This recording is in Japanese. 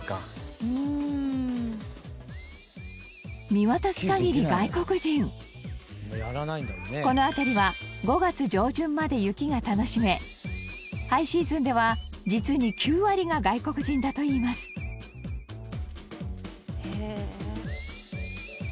見渡す限り、外国人この辺りは５月上旬まで雪が楽しめハイシーズンでは実に９割が外国人だといいます本仮屋：へえー！